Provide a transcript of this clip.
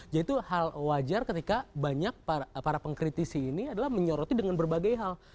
jadi itu hal wajar ketika banyak para pengkritisi ini adalah menyoroti dengan berbagai hal